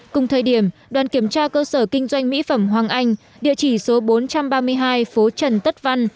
cùng thời điểm đoàn kiểm tra cơ sở kinh doanh mỹ phẩm hoàng anh địa chỉ số bốn trăm ba mươi hai phố trần tất văn